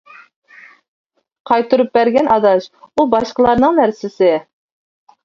-قايتۇرۇپ بەرگىن ئاداش، ئۇ باشقىلارنىڭ نەرسىسى.